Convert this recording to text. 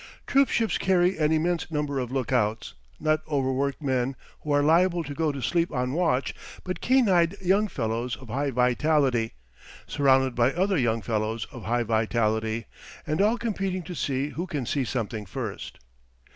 Troop ships carry an immense number of lookouts, not overworked men who are liable to go to sleep on watch, but keen eyed young fellows of high vitality, surrounded by other young fellows of high vitality, and all competing to see who can see something first.